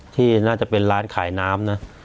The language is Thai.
ที่น่าจะเป็นร้านขายน้ำนะ